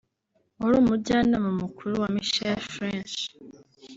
wari Umujyanama mukuru wa Michel Flesch